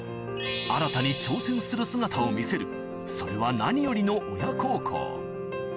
新たに挑戦する姿を見せるそれは何よりの親孝行